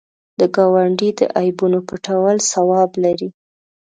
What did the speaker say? د ګاونډي د عیبونو پټول ثواب لري